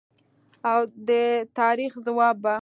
او د تاریخ ځواب به